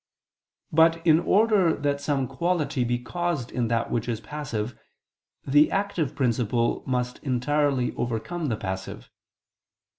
But in order that some quality be caused in that which is passive the active principle must entirely overcome the passive.